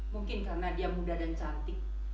mungkin karena dia muda dan cantik